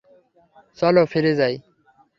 চলো ফিরে যাই।